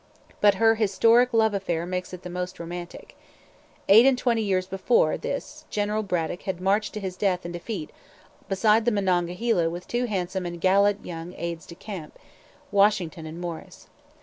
But her historic love affair makes it the most romantic. Eight and twenty years before this General Braddock had marched to death and defeat beside the Monongahela with two handsome and gallant young aides de camp, Washington and Morris.